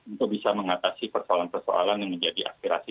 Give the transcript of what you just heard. untuk bisa mengatasi persoalan persoalan yang menjadi aspirasi